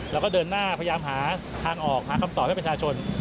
แล้วก็เดินหน้าพยายามหาทางออกหาคำตอบให้ประชาชน